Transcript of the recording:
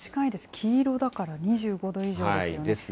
黄色だから２５度以上ですよね。ですね。